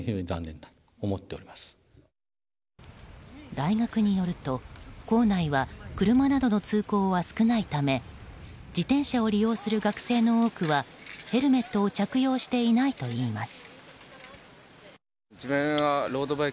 大学によると、構内は車などの通行は少ないため自転車を利用する学生の多くはヘルメットを着用していないといいます。